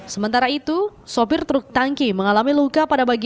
sementara itu sopir truk tangki mengalami luka pada bagian